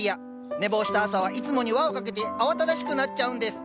寝坊した朝はいつもに輪をかけて慌ただしくなっちゃうんです！